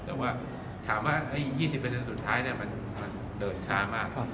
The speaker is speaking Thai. แต่ว่าถามว่า๒๐สุดท้ายมันเดินช้ามาก